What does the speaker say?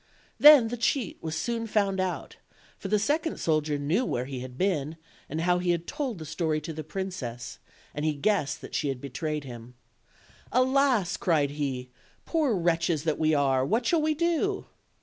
Then the cheat was soon found out; for the sec ond soldier knew where he had been, and how he had told the story to the princess, and he guessed that she had betrayed him. "Alas!" cried he, "poor wretches that we are, what shall we do?"